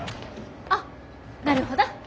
あっなるほど。